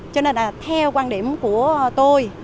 cho nên là theo quan điểm của tôi